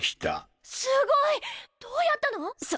すごい！どうやったの？さ